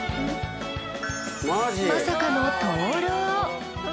まさかの灯籠。